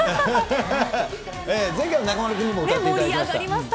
ぜひ中丸君にも歌っていただきました。